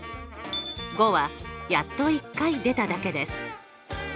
５はやっと１回出ただけです。